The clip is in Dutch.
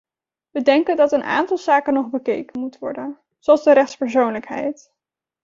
We denken dat een aantal zaken nog bekeken moet worden, zoals de rechtspersoonlijkheid.